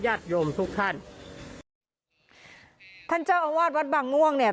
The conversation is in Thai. โยมทุกท่านท่านเจ้าอาวาสวัดบางม่วงเนี่ย